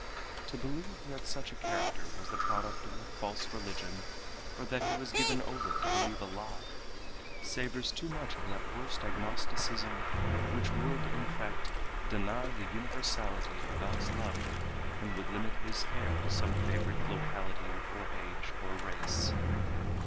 To believe that such a character was the product of a false religion, or that he was given over to believe a lie, savors too much of that worst agnosticism which would in effect deny the universality of God's love and would limit His care to some favored locality or age or race.